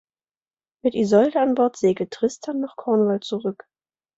Mit Isolde an Bord segelt Tristan nach Cornwall zurück.